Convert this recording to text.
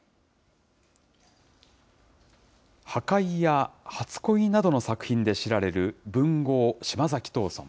破戒や初恋などの作品で知られる文豪、島崎藤村。